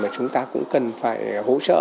chúng ta cũng cần phải hỗ trợ